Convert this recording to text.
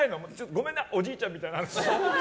ごめんね、おじいちゃんみたいな話しちゃって。